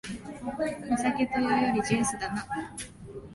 お酒というよりジュースだな